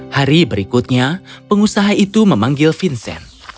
hari berikutnya pengusaha itu memanggil vincent